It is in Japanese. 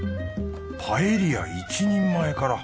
パエリア１人前から。